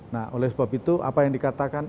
nah oleh sebab itu apa yang dikatakan